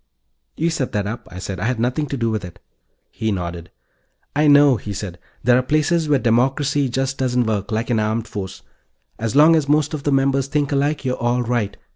"You set that up," I said. "I had nothing to do with it." He nodded. "I know," he said. "There are places where democracy just doesn't work. Like an armed force. As long as most of the members think alike, you're all right.